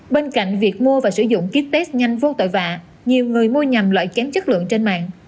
bên cạnh việc mua và sử dụng kiếp test nhanh vô tội vạ nhiều người mua nhầm loại kém chất lượng trên mạng